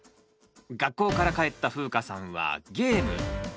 学校から帰ったふうかさんはゲーム。